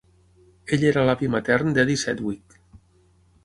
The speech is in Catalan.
Ell era l"avi matern d'Edie Sedgwick.